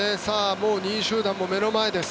もう２位集団も目の前です。